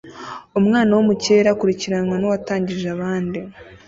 Umwana wo mu kirere akurikiranwa nuwatangije abandi